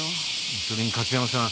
それに加津山さん